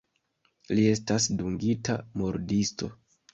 Li estas dungita murdisto.